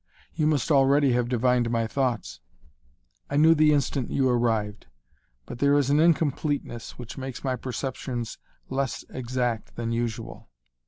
"You must already have divined my thoughts." "I knew the instant you arrived. But there is an incompleteness which makes my perceptions less exact than usual."